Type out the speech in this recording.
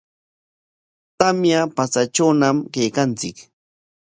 Tamya patsatrawñam kaykanchik.